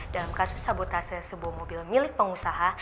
dalam kasus sabotase sebuah mobil milik pengusaha